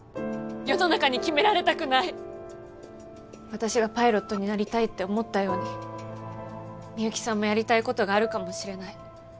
私がパイロットになりたいって思ったように美幸さんもやりたいことがあるかもしれない。